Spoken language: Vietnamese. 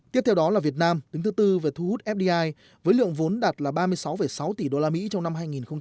tiếp theo đó là việt nam đứng thứ tư về thu hút fdi với lượng vốn đạt là ba mươi sáu sáu tỷ usd trong năm hai nghìn hai mươi ba